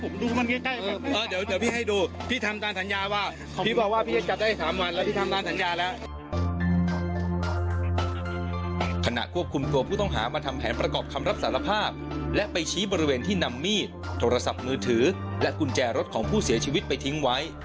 ขณะควบคุมตัวผู้ต้องหามาทำแผนประกอบคำรับสารภาพและไปชี้บริเวณที่นำมีดโทรศัพท์มือถือและกุญแจรถของผู้เสียชีวิตไปทิ้งไว้